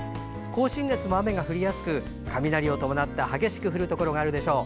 甲信越も雨が降りやすく雷を伴って激しく降るところがあるでしょう。